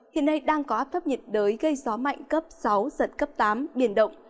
hiện nay đang có áp thấp nhiệt đới gây gió mạnh cấp sáu tám biển động